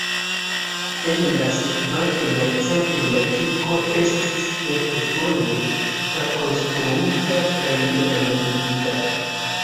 En la sekvantaj jarcentoj la kirko estis kelkfoje trakonstruita kaj renovigita.